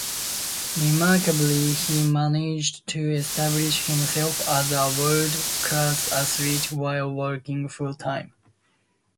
Remarkably, he managed to establish himself as a world class athlete while working full-time.